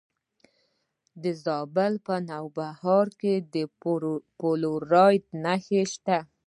د زابل په نوبهار کې د فلورایټ نښې شته.